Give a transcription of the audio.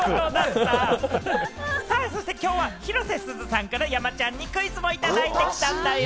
そしてきょうは広瀬すずさんから山ちゃんにクイズもいただいてきたんだよ。